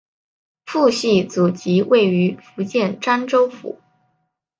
父系祖籍位于福建漳州府。